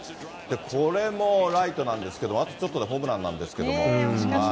これもライトなんですけど、あとちょっとでホームランなんですけど。